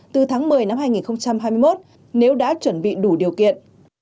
từ tháng một mươi năm hai nghìn hai mươi một nếu đã chuẩn bị đủ điều kiện